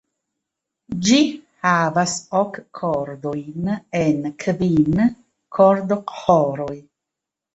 Ĝi havas ok kordojn en kvin kordoĥoroj.